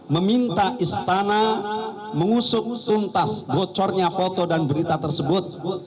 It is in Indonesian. meminta istana mengusut tuntas bocornya foto dan berita tersebut